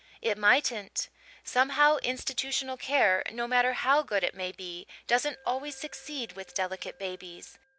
"It mightn't. Somehow, institutional care, no matter how good it may be, doesn't always succeed with delicate babies.